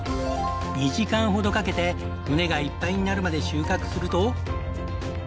２時間ほどかけて船がいっぱいになるまで収穫すると。